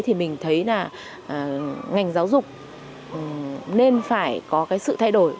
thì mình thấy là ngành giáo dục nên phải có cái sự thay đổi